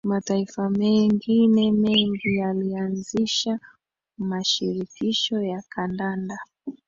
Mataifa mengine mengi yalianzisha Mashirikisho ya Kandanda